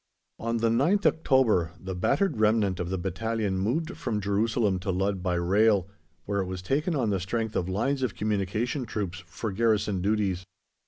On the 9th October the battered remnant of the battalion moved from Jerusalem to Ludd by rail, where it was taken on the strength of Lines of Communication troops for garrison duties.